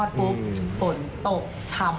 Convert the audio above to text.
สุศรีค่ะ